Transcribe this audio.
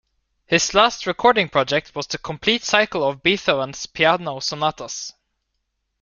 His last recording project was the complete cycle of Beethoven's Piano Sonatas.